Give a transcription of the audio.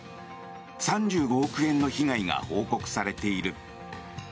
３５億円の被害が報告されている。